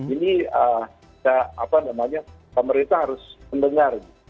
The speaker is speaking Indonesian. ini pemerintah harus mendengar